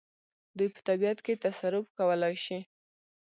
دوی په طبیعت کې تصرف کولای شي.